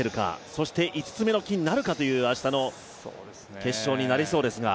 そして５つ目の金なるかという、明日の決勝になりそうですが。